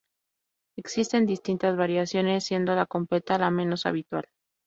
Existen distintas variaciones, siendo la completa la menos habitual.